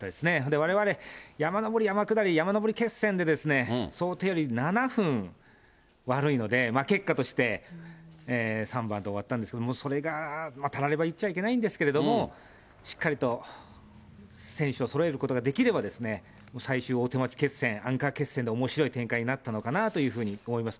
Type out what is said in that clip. われわれ、山登り、山下り、山登り決戦で、想定より７分悪いので、結果として、３番で終わったんですけれども、それが、たられば言っちゃいけないんですけれども、しっかりと選手をそろえることができれば、最終、大手町決戦、アンカー決戦でおもしろい展開になったのかなというふうに思いますね。